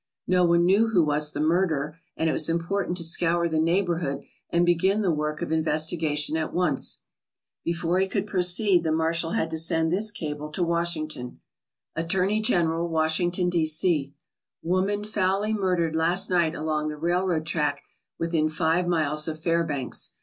No one knew who was the murderer and it was impor tant to scour the neighbourhood and begin the work of investigation at once. Before he could proceed the marshal had to send this cable to Washington: ATTORNEY GENERAL, Washington, D. C. Woman foully murdered last night along the railroad track within five miles of Fairbanks.